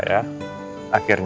ya mudah mudahan ya